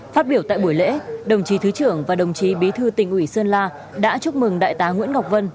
phát biểu tại buổi lễ đồng chí thứ trưởng và đồng chí bí thư tỉnh ủy sơn la đã chúc mừng đại tá nguyễn ngọc vân